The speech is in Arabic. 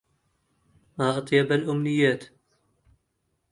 مع أطيب الأمنيات